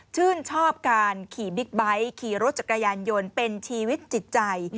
ชื่นชอบการขี่บิ๊กไบท์ขี่รถจักรยานยนต์เป็นชีวิตจิตใจ